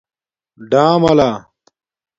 ڈآملہ